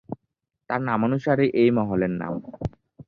তাঁর নামানুসারেই এই মহলের নাম।